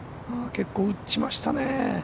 結構打ちましたね。